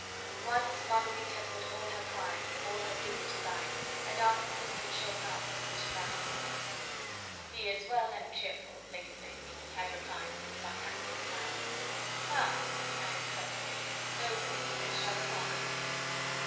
Once Marguerite had put all her pride, all her dignity by, and asked citizen Chauvelin for news of her husband. "He is well and cheerful, Lady Blakeney," he had replied with his sarcastic smile. "Ah!" he added pleasantly, "those English are remarkable people.